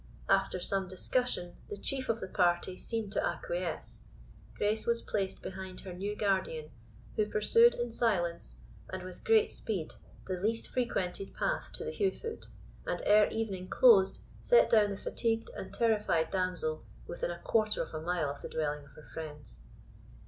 After some discussion, the chief of the party seemed to acquiesce. Grace was placed behind her new guardian, who pursued in silence, and with great speed, the least frequented path to the Heugh foot, and ere evening closed, set down the fatigued and terrified damsel within a quarter of a mile of the dwelling of her friends.